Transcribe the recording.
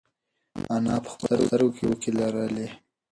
انا په خپلو سترگو کې اوښکې لرلې.